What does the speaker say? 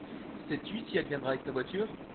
Sais-tu si elle viendra avec sa voiture ?…